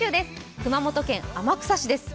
熊本県天草市です。